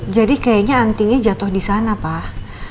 jadi kayaknya antingnya jatuh di sana pak